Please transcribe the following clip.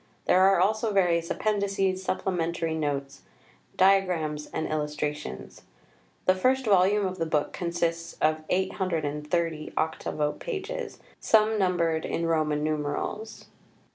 There are also various Appendices, Supplementary Notes, Diagrams and Illustrations. The first volume of the book consists of 830 octavo pages, some numbered in Roman numerals.